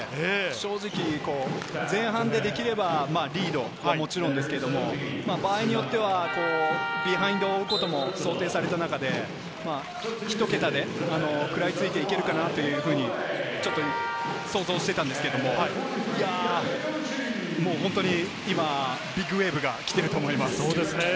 正直、前半で出来ればリードを、もちろんですけど、場合によってはビハインドをおうことも想定された中で、１桁で食らいついていけるかな？というふうに想像していたんですけれども、もう本当に今、ビッグウエーブが来ていると思います。